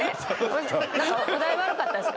何かお題悪かったですか？